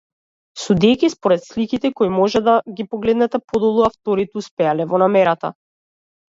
Судејќи според сликите кои може да ги погледнете подолу, авторите успеале во намерата.